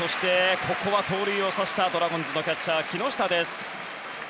ここは盗塁を阻止したドラゴンズのキャッチャー木下です。